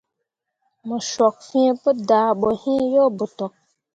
Mu cok fin pu dah boyin yo botok.